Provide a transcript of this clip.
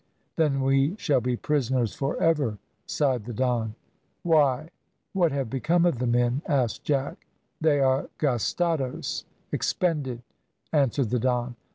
"Then we shall be prisoners for ever," sighed the Don. "Why, what have become of the men?" asked Jack. "They are `gastados,' `expended,'" answered the Don.